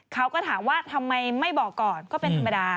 เขาก็ถามว่าทำไมไม่บอกก่อนก็เป็นธรรมดา